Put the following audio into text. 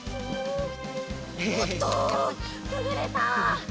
おっとくぐれた！